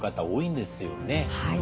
はい。